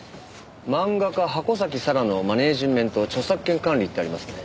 「漫画家・箱崎咲良のマネジメント著作権管理」ってありますね。